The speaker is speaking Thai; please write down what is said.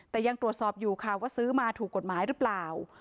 แต่ยังตรวจสอบอยู่ค่ะว่าซื้อมาถูกกฎหมายหรือเปล่า